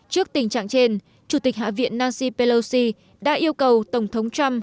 trước tình trạng trên chủ tịch hạ viện nassi pelosi đã yêu cầu tổng thống trump